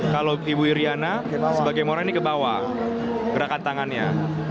kalau ibu iryana sebagai mora ini ke bawah gerakan tangannya